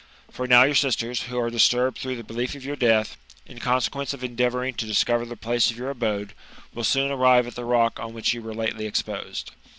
For now your sisters, who are disturbed through the belief of your death, in consequence of endeavouring to discover .the place of your abode, will soon arrive at the rock on which you were lately exposed.